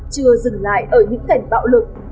chưa dừng lại ở những cảnh bạo lực